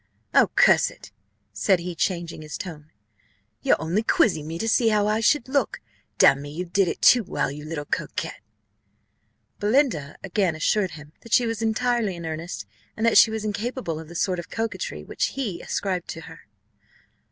Oh, curse it!" said he, changing his tone, "you're only quizzing me to see how I should look damn me, you did it too well, you little coquet!" Belinda again assured him that she was entirely in earnest, and that she was incapable of the sort of coquetry which he ascribed to her.